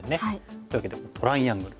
というわけでトライアングル。